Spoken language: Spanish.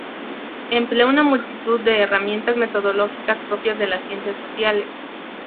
Emplea una multiplicidad de herramientas metodológicas propias de las ciencias sociales.